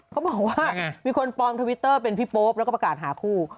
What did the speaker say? เขาบอกว่ามีคนปลอมทวิตเตอร์เป็นพี่โป๊ปแล้วก็ประกาศหาคู่